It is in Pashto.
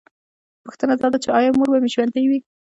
پوښتنه دا ده چې ایا مور به مې ژوندۍ وي